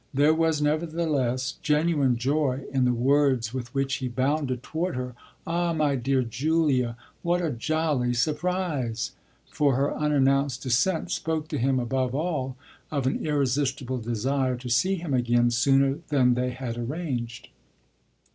There was nevertheless genuine joy in the words with which he bounded toward her "Ah my dear Julia, what a jolly surprise!" for her unannounced descent spoke to him above all of an irresistible desire to see him again sooner than they had arranged.